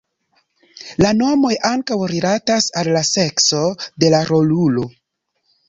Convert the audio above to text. La nomoj ankaŭ rilatas al la sekso de la rolulo.